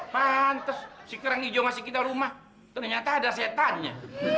mantes si kerang ijo ngasih kita rumah ternyata ada setannya